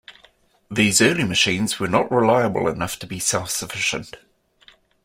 These early machines were not reliable enough to be self-sufficient.